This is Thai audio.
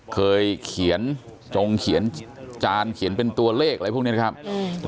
เคยเขียนจงเขียนจานเขียนเป็นตัวเลขอะไรพวกนี้นะครับอืม